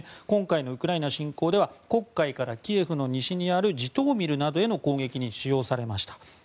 今回のウクライナ侵攻では黒海からキエフの西にあるジトーミルなどへの攻撃に使用されました。